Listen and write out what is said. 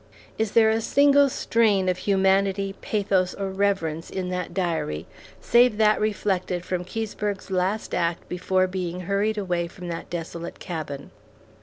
Is there a single strain of humanity, pathos, or reverence in that diary, save that reflected from Keseberg's last act before being hurried away from that desolate cabin?